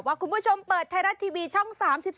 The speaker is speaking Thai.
คุณผู้ชมเปิดไทยรัฐทีวีช่อง๓๒